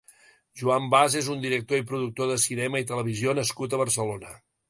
Joan Bas és un director i productor de cinema i televisió nascut a Barcelona.